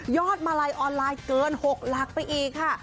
มาลัยออนไลน์เกิน๖หลักไปอีกค่ะ